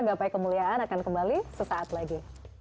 gapai kemuliaan akan kembali sesaat lagi